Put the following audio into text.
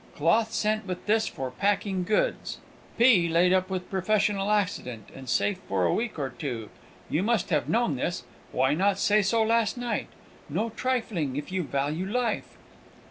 Cloth sent with this for packing goods. P laid up with professional accident, and safe for a week or two. You must have known this why not say so last night? No trifling, if you value life!